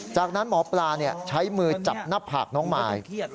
จากนั้นหมอปลาใช้มือจับหน้าผากน้องมาย